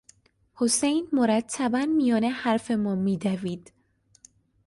حسین مرتبا میان حرف ما میدوید.